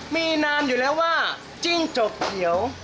มีนานอยู่แล้วว่าจิ้งจกเขียว